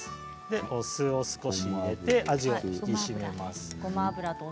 お酢を少し入れて味を引き締めます。